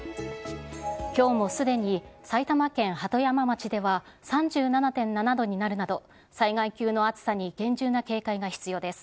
きょうもすでに埼玉県鳩山町では３７．７度になるなど、災害級の暑さに厳重な警戒が必要です。